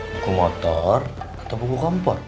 buku motor atau buku kompor